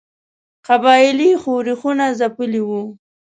قبایلي ښورښونه ځپلي وه.